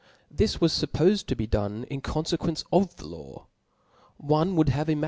This was fuppofed to be done ^^^P *^* in confcquence of the law. One would have ima ^